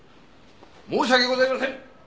申し訳ございません！